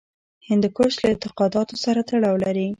هندوکش له اعتقاداتو سره تړاو لري.